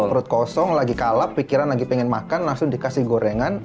perut kosong lagi kalap pikiran lagi pengen makan langsung dikasih gorengan